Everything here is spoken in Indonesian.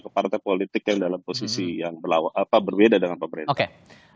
ke partai politik yang dalam posisi yang berbeda dengan pemerintah